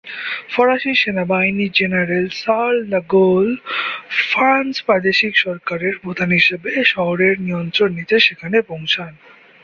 ফরাসি সেনাবাহিনীর general Charles de Gaulle France প্রাদেশিক সরকারের প্রধান হিসেবে শহরের নিয়ন্ত্রণ নিতে সেখানে পৌঁছান।